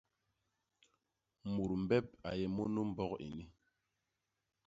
Mut mbep a yé munu mbok ini.